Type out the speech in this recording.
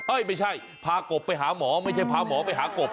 ไม่ใช่พากบไปหาหมอไม่ใช่พาหมอไปหากบ